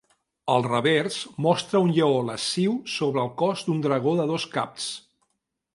El revers mostra un lleó lasciu sobre el cos d'un dragó de dos caps.